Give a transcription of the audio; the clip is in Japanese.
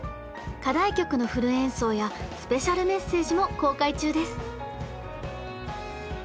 課題曲のフル演奏やスペシャルメッセージも公開中です！